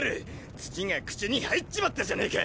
土が口に入っちまったじゃねぇか！